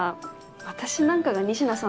私なんかが仁科さんのこと。